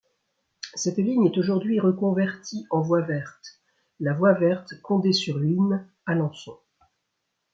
Cette ligne est aujourd'hui reconvertie en voie verte, la Voie verte Condé-sur-Huisne-Alençon.